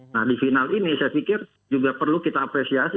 nah di final ini saya pikir juga perlu kita apresiasi